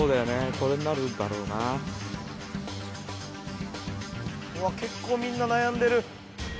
これになるだろうな結構みんな悩んでる・